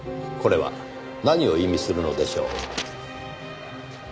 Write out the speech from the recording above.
これは何を意味するのでしょう？